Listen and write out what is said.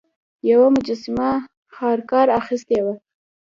یوه مجسمه هارکر اخیستې وه.